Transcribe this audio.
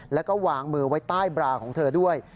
แล้วก็วางมือไว้ใต้บราของเธอด้วย